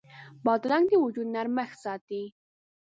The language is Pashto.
بادرنګ د وجود نرمښت ساتي.